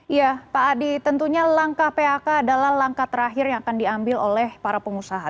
iya pak adi tentunya langkah phk adalah langkah terakhir yang akan diambil oleh para pengusaha